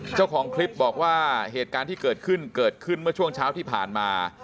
เจ้าของคลิปบอกว่าเหตุการณ์ที่เกิดขึ้นเกิดขึ้นเมื่อช่วงเช้าที่ผ่านมา